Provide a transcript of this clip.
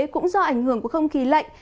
cũng do ảnh hưởng của không khí lạnh